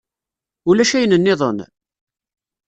Ulac ayen-nniḍen?